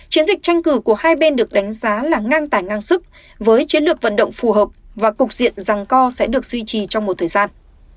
chiến dịch tranh cử của hai bên được đánh giá là ngang tải ngang sức với chiến lược vận động phù hợp và cục diện rằng co sẽ được duy trì trong một thời gian